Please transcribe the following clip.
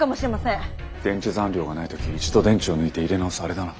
電池残量がない時一度電池を抜いて入れ直すあれだな。